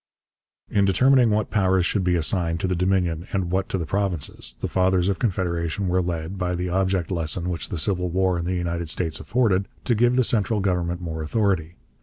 In determining what powers should be assigned to the Dominion and what to the provinces, the Fathers of Confederation were led, by the object lesson which the Civil War in the United States afforded, to give the central government more authority.